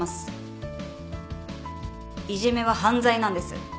いじめは犯罪なんです。